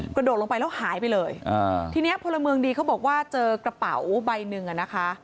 กระโดดลงไปแล้วหายไปเลยอ่าทีเนี้ยพลเมืองดีเขาบอกว่าเจอกระเป๋าใบหนึ่งอ่ะนะคะ